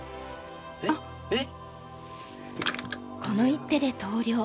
この一手で投了。